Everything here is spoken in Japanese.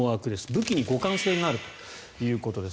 武器に互換性があるということです。